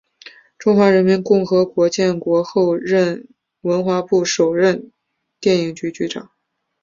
中华人民共和国建国后任文化部首任电影局局长。